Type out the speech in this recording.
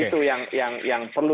itu yang perlu